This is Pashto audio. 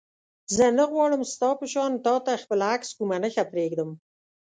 زه نه غواړم ستا په شان تا ته خپل عکس کومه نښه پرېږدم.